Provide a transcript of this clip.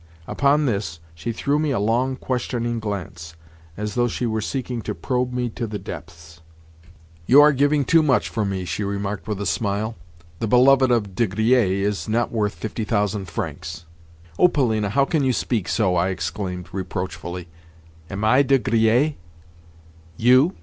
Upon this she threw me a long, questioning glance, as though she were seeking to probe me to the depths. "You are giving too much for me," she remarked with a smile. "The beloved of De Griers is not worth fifty thousand francs." "Oh Polina, how can you speak so?" I exclaimed reproachfully. "Am I De Griers?" "You?"